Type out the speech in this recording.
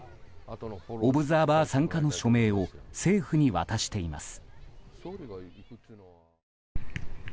オブザーバー参加の署名を政府に渡しています。